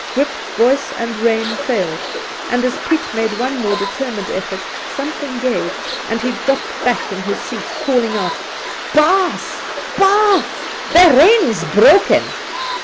Whip, voice and rein failed, and as Piet made one more determined effort, something gave, and he dropped back in his seat, calling out :' Baas, baas, the rein's broken!'